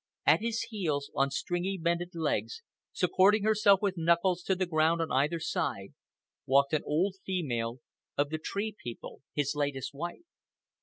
At his heels, on stringy bended legs, supporting herself with knuckles to the ground on either side, walked an old female of the Tree People, his latest wife.